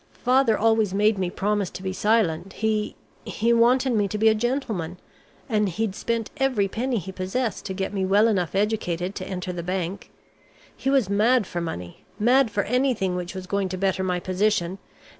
Father always made me promise to be silent, he he wanted me to be a gentleman, and he'd spent every penny he possessed to get me well enough educated to enter the bank. He was mad for money, mad for anything which was going to better my position.